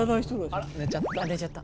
あ寝ちゃった。